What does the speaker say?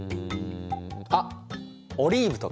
あっオリーブとか！